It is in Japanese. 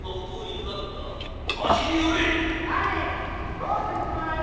どうして進まないの？